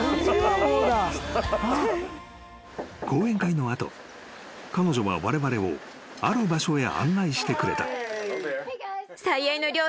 ［講演会の後彼女はわれわれをある場所へ案内してくれた］